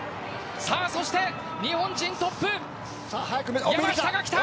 そして日本人トップ山下が来た。